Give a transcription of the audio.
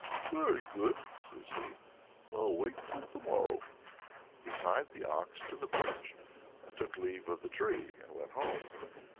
"Very good," says he, "I'll wait till to morrow!" He tied the ox to the Birch, took leave of the tree, and went home.